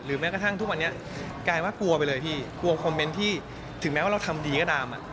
แม้กระทั่งทุกวันนี้กลายว่ากลัวไปเลยพี่กลัวคอมเมนต์ที่ถึงแม้ว่าเราทำดีก็ตาม